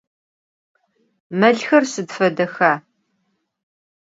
Melxer sıd fedexa?